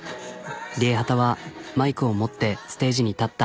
ＲＩＥＨＡＴＡはマイクを持ってステージに立った。